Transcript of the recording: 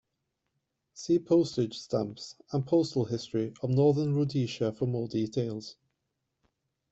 See Postage stamps and postal history of Northern Rhodesia for more details.